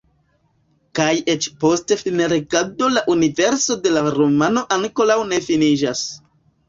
Kaj eĉ post finlegado la universo de la romano ankoraŭ ne finiĝas.